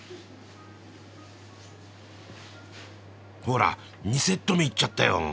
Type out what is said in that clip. ほら２セット目いっちゃったよ。